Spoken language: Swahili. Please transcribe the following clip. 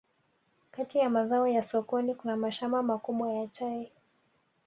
Kati ya mazao ya sokoni kuna mashamba makubwa ya chai